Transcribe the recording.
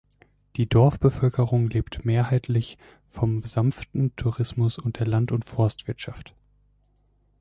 Die Dorfbevölkerung lebt mehrheitlich vom sanften Tourismus und der Land- und Forstwirtschaft.